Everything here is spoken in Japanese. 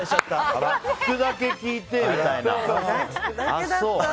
聞くだけ聞いてみたいな。